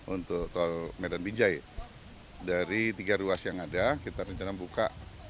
untuk tol medan binjai dari tiga ruas yang ada kita rencana buka